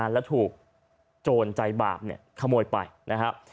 แล้วถูกโจรใจบาปขโมยไปนะครับ